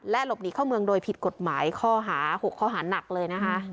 หลบหนีเข้าเมืองโดยผิดกฎหมายข้อหา๖ข้อหานักเลยนะคะ